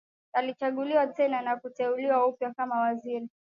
Alichaguliwa tena na kuteuliwa upya kama waziri